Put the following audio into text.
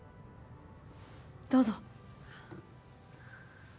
どうぞ。